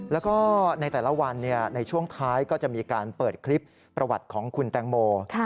แล้วก็ในแต่ละวันในช่วงท้ายก็จะมีการเปิดคลิปประวัติของคุณแตงโม